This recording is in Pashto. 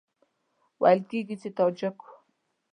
ویل کېږي چې تاجک وو.